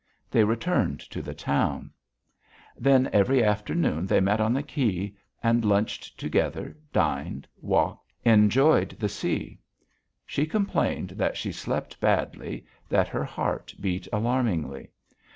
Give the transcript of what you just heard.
They returned to the town. Then every afternoon they met on the quay, and lunched together, dined, walked, enjoyed the sea. She complained that she slept badly, that her heart beat alarmingly.